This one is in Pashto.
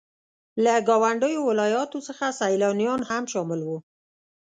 له ګاونډيو ولاياتو څخه سيلانيان هم شامل وو.